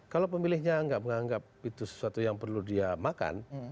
kalau pemilihnya nggak menganggap itu sesuatu yang perlu dia makan